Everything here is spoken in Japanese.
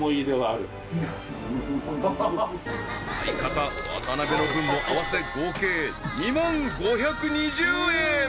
［相方渡辺の分も合わせ合計２万５２０円］